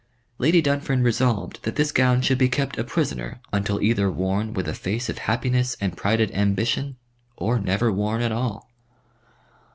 Lady Dunfern resolved that this gown should be kept a prisoner until either worn with a face of happiness and prided ambition or never worn at all.